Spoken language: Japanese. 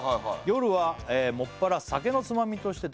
「夜はもっぱら酒のつまみとして」